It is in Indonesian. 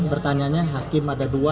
pertanyaannya hakim ada dua